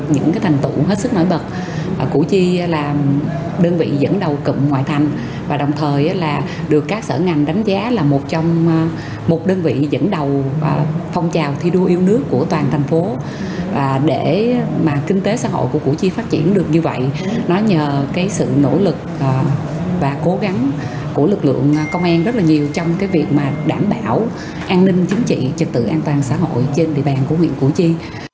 nhờ sự nỗ lực và cố gắng của lực lượng công an rất nhiều trong việc đảm bảo an ninh chính trị trật tự an toàn xã hội trên địa bàn của huyện củ chi